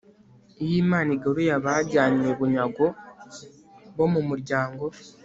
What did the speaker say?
iyo imana igaruye abajyanywe bunyago bo mu muryango